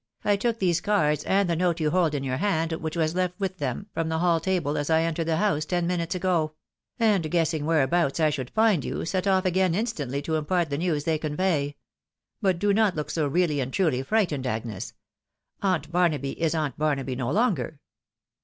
"I took these cards and the note you hold in your hand, which was left with them, from the hall table as I entered the house ten minutes ago ; and, guessing whereabouts I should find you, set off again instantly to impart the news they convey. But do not look so really and truly frightened, Agnes ! Aunt Barnaby is Aunt Barnaby no longer."